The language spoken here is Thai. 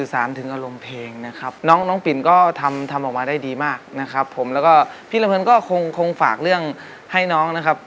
วันต่างหน้าก็เก่งกว่านี้นะครับ